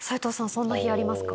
そんな日ありますか？